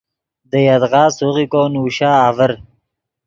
دے یدغا سوغیکو نوشا آڤر